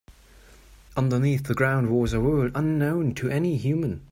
Underneath the ground was a world unknown to any human.